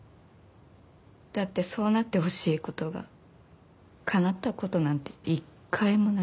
だってそうなってほしい事がかなった事なんて一回もないし。